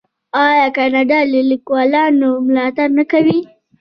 آیا کاناډا د لیکوالانو ملاتړ نه کوي؟